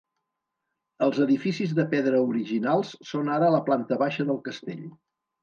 Els edificis de pedra originals són ara la planta baixa del castell.